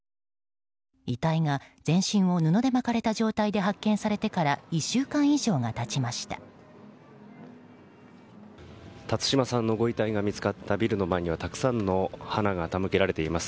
遺体が全身を布で巻かれた状態で発見されてから辰島さんのご遺体が見つかったビルの前にはたくさんの花が手向けられています。